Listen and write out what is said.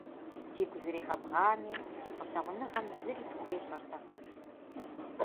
Сигу зригъэбгъами, си фӏылъагъуныгъэм зыри схуещӏэртэкъым.